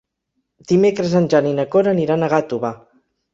Dimecres en Jan i na Cora aniran a Gàtova.